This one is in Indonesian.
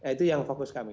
itu yang fokus kami